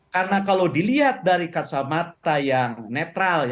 karena kalau dilihat dari kacamata yang netral